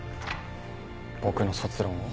僕の卒論を？